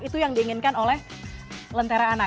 itu yang diinginkan oleh lentera anak